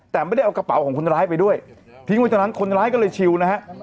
แต่ไม่ได้เอากระเป๋าของคนร้ายไปด้วยทิ้งไว้ตรงนั้นคนร้ายก็เลยชิวนะฮะ